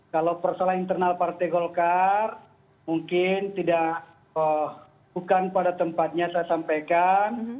kalau persoalan internal partai golkar mungkin tidak bukan pada tempatnya saya sampaikan